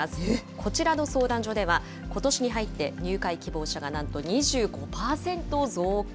こちらの相談所では、ことしに入って入会希望者がなんと２５％増加。